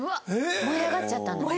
燃え上がっちゃったんだね。